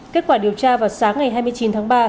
kết quả điều tra vào sáng ngày hai mươi chín tháng ba